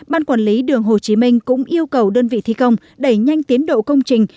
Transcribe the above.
ban quản lý đường hồ chí minh cũng yêu cầu đơn vị thi công đẩy nhanh tiến độ công trình